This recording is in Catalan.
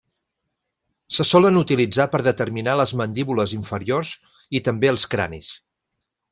Se solen utilitzar per determinar les mandíbules inferiors i també els cranis.